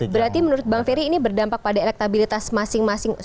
berarti menurut bang ferry ini berdampak pada elektabilitas masing masing